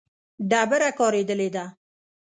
ډبره کارېدلې ده.